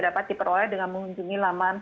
dapat diperoleh dengan mengunjungi laman